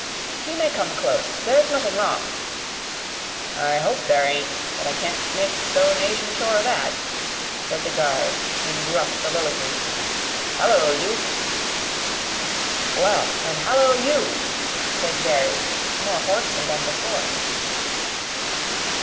"He may come close; there's nothing wrong." "I hope there ain't, but I can't make so 'Nation sure of that," said the guard, in gruff soliloquy. "Hallo you!" "Well! And hallo you!" said Jerry, more hoarsely than before.